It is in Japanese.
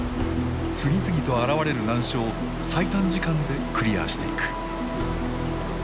次々と現れる難所を最短時間でクリアしていく。